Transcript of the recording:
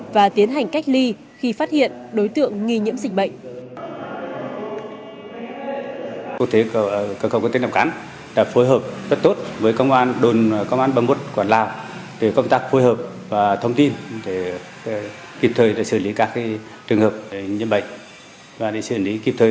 và tiến hành cách ly khi phát hiện đối tượng nghi nhiễm dịch bệnh